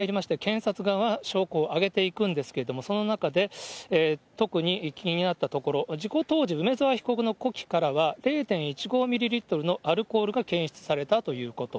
その後、証拠調べに入りまして、検察側は証拠を挙げていくんですけれども、その中で、特に気になったところ、事故当時、梅沢被告の呼気からは、０．１５ミリリットルのアルコールが検出されたということ。